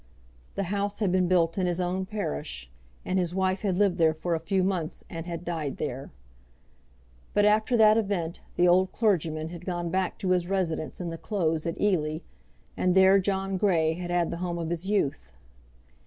The house had been built in his own parish, and his wife had lived there for a few months and had died there. But after that event the old clergyman had gone back to his residence in the Close at Ely, and there John Grey had had the home of his youth.